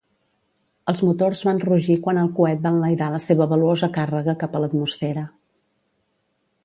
Els motors van rugir quan el coet va enlairar la seva valuosa càrrega cap a l'atmosfera.